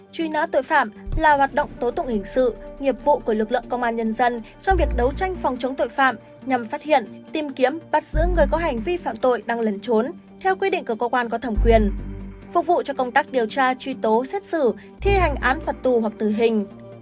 truy nã tội phạm là hoạt động tố tụng hình sự nghiệp vụ của lực lượng công an nhân dân trong việc đấu tranh phòng chống tội phạm nhằm phát hiện tìm kiếm bắt giữ người có hành vi phạm tội đang lẩn trốn theo quy định của cơ quan có thẩm quyền phục vụ cho công tác điều tra truy tố xét xử thi hành án phạt tù hoặc tử hình